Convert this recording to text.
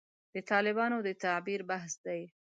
د طالبانو د تعبیر بحث دی.